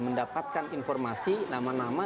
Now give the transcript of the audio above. mendapatkan informasi nama nama